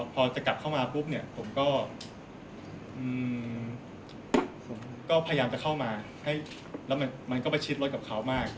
พอจะกลับเข้ามาปุ๊บเนี่ยผมก็พยายามจะเข้ามาให้แล้วมันก็ประชิดรถกับเขามาก